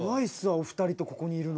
お二人とここにいるの。